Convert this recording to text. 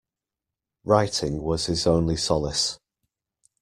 Writing was his only solace